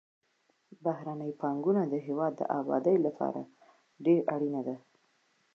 بهرنۍ پانګونه د هېواد د آبادۍ لپاره ډېره اړینه ده.